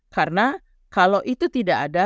karena kalau itu tidak ada